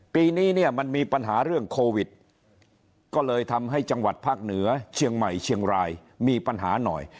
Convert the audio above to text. ปีนี้เนี่ยมันมีปัญหาเรื่องโควิดก็เลยทำให้จังหวัดภาคเหนือเชียงใหม่เชียงรายมีปัญหาหน่อย